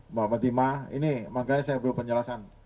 mbak fatimah ini makanya saya perlu penjelasan